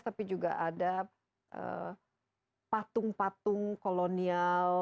tapi juga ada patung patung kolonial